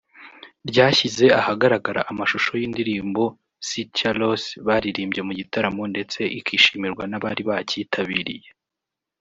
ryashyize ahagaragara amashusho y’indirimbo ‘Sitya Loss’ baririmbye mu gitaramo ndetse ikishimirwa n’abari bacyitabiriye